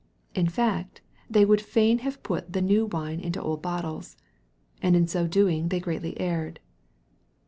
In fact they would fain have put the " new wine into old bottles." And in so doing they greatly erred.